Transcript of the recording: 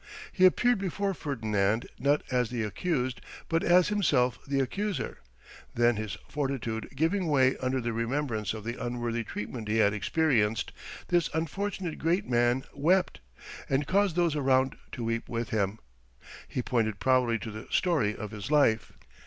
He appeared before Ferdinand, not as the accused, but as himself the accuser; then, his fortitude giving way under the remembrance of the unworthy treatment he had experienced, this unfortunate great man wept, and caused those around to weep with him. He pointed proudly to the story of his life.